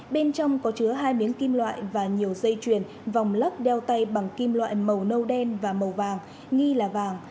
bên trong có chứa hai miếng kim loại và nhiều dây chuyền vòng lắc đeo tay bằng kim loại màu nâu đen và màu vàng nghi là vàng